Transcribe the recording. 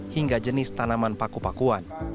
hingga jenis tanaman paku pakuan